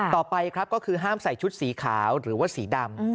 ต่อไปครับก็คือห้ามใส่ชุดสีขาวหรือว่าสีดำ